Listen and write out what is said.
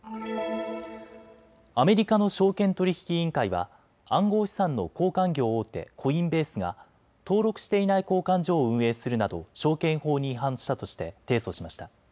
アメリカの証券取引委員会は暗号資産の交換業大手、コインベースが登録していない交換所を運営するなど証券法に違反したとして提訴しました。